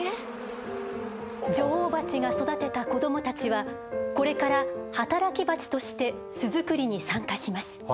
女王蜂が育てた子どもたちはこれから働き蜂として巣作りに参加します。